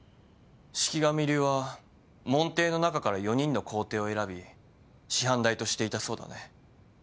四鬼神流は門弟の中から４人の高弟を選び師範代としていたそうだね。